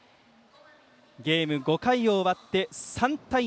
ゲームは５回を終わって３対２。